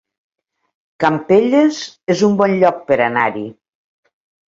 Campelles es un bon lloc per anar-hi